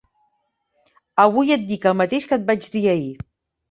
Avui et dic el mateix que et vaig dir ahir.